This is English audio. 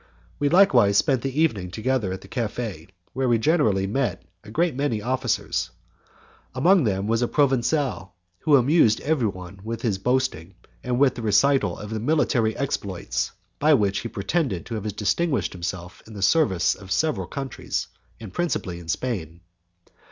We likewise spent the evening together at the cafe, where we generally met a great many officers. There was among them a Provencal who amused everybody with his boasting and with the recital of the military exploits by which he pretended to have distinguished himself in the service of several countries, and principally in Spain.